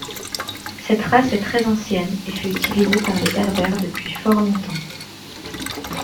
Cette race est très ancienne, et fut utilisée par les Berbères depuis fort longtemps.